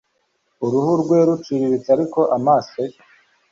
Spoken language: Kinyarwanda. uruhu rwe ruciriritse, ariko amaso ye